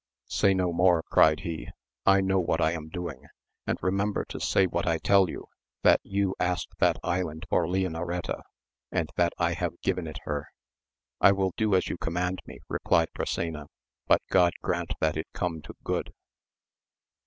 Say no more, cried he, I know what I am doing, and remember to say what I tell you, that you asked that ' island for Leonoreta, and that I have given it her. I will do as you command me, replied Brisena, but God grant that it come to good